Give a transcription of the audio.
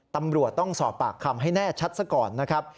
ตำรวจต้องสอบปากคำให้แน่ชัดซะก่อนนะครับ